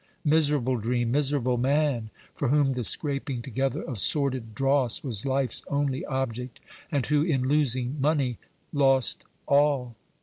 Miserable dream, miserable man, for whom the scraping together of sordid dross was life's only object, and who, in losing money, lost all!